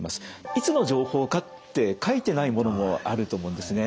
いつの情報かって書いてないものもあると思うんですね。